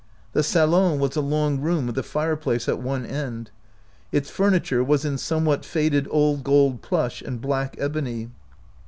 The salon was a long room with a fireplace at one end. Its furniture was in somewhat faded old gold plush and black ebony.